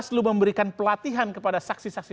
bawaslu memberikan pelatihan kepada saksi saksi